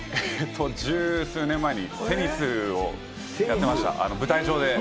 十数年前にテニスをやってました、舞台上で。